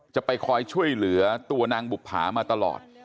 จะไปคอยช่วยเหลือตัวนางบุภามาตลอด